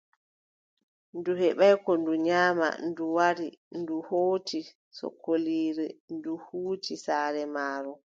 Ndu heɓaay ko ndu nyaama, ndu wari, ndu hooci sokoliire, ndu huuci saare maaru.